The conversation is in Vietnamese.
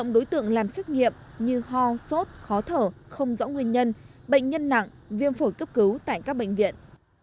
nhóm đối tượng làm xét nghiệm như ho sốt khó thở không rõ nguyên nhân bệnh nhân nặng viêm phổi cấp cứu tại các bệnh viện